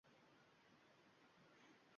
Husayin hayron bo'ldi, ne qilarini bilmay qoldi.